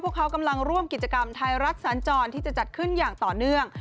พวกเขากำลังร่วมกิจกรรมไทยรัฐสัญจรที่จะจัดขึ้นอย่างต่อเนื่อง